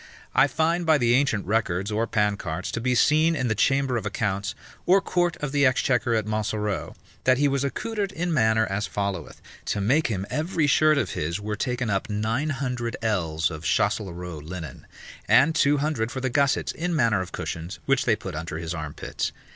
I find by the ancient records or pancarts, to be seen in the chamber of accounts, or court of the exchequer at Montsoreau, that he was accoutred in manner as followeth. To make him every shirt of his were taken up nine hundred ells of Chasteleraud linen, and two hundred for the gussets, in manner of cushions, which they put under his armpits.